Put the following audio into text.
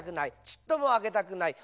ちっともあけたくない。